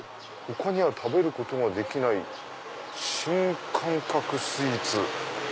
「他では食べることが出来ない新感覚スイーツ」。